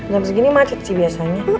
jam segini macet sih biasanya